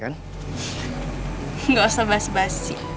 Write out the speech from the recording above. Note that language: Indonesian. gak usah basi basi